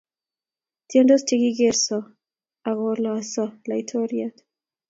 Tiendos che kigesor ak kolos’ Laitoriat